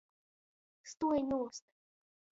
Stuoj nūst!